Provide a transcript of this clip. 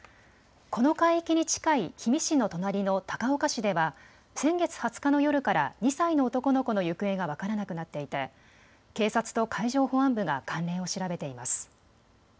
この海域に近い氷見市の隣の高岡市では先月２０日の夜から２歳の男の子の行方が分からなくなっていて警察と海上保安部が関連を調べています。